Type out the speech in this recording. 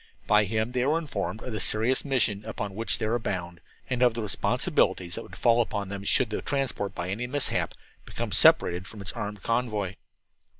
By him they were informed of the serious mission upon which they were bound, and of the responsibilities that would fall upon them should the transport, by any mishap, become separated from its armed convoy.